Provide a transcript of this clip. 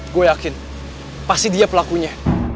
gue yakin pasti dia pelakunya